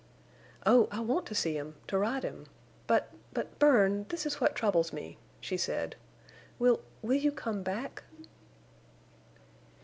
"Oh, I want to see him—to ride him. But—but, Bern, this is what troubles me," she said. "Will—will you come back?"